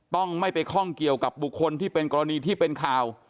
ต้องไม่ไปข้องเกี่ยวกับบุคคลที่เป็นกรณีที่เป็นข่าว